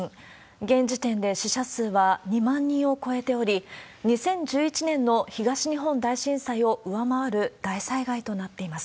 現時点で死者数は２万人を超えており、２０１１年の東日本大震災を上回る大災害となっています。